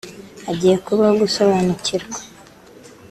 Hagiye kubaho gusobanukirwa